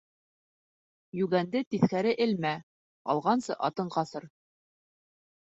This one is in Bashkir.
Йүгәнде тиҫкәре элмә: алғансы атың ҡасыр.